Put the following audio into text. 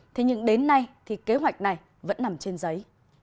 thế nhưng đến nay thì kế hoạch này vẫn nằm trên giấy